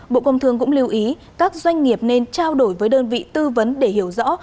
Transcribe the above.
bộ công thương cũng lưu ý các doanh nghiệp nên trao đổi với đơn vị tư vấn để hiểu rõ